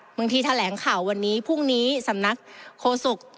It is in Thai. แถลงข่าววันนี้พรุ่งนี้สำนักโฆษก